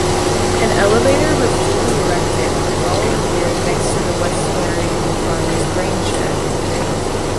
An elevator was duly erected the following year next to the Westralian Farmers grain-shed.